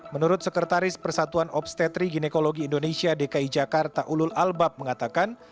menurut sekretaris persatuan obstetri ginekologi indonesia dki jakarta ulul albab mengatakan